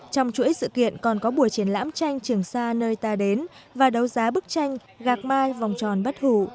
trong chuỗi sự kiện còn có buổi triển lãm tranh trường sa nơi ta đến và đấu giá bức tranh gạc mai vòng tròn bất hủ